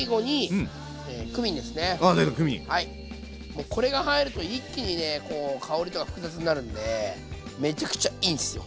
もうこれが入ると一気にねこう香りとか複雑になるんでめちゃくちゃいいんすよ！